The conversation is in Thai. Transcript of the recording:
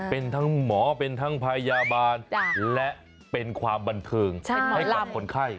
เป็นทุกอย่างภายหยาบาลและเป็นความบันเทิงให้กับคนไข้